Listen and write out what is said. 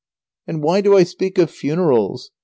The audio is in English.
] And why do I speak of funerals?